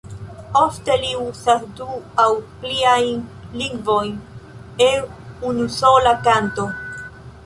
Ofte li uzas du aŭ pliajn lingvojn en unusola kanto.